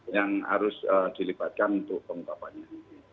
yang harus dilibatkan untuk pengungkapannya